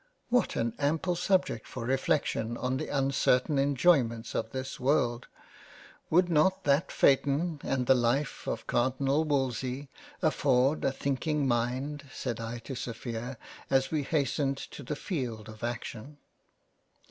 " What an ample subject for reflection on the un certain Enjoyments of this World, would not that Phaeton 30 £ LOVE AND FREINDSHIP £ and the Life of Cardinal Wolsey afford a thinking Mind !" said I to Sophia as we were hastening to the field of Action.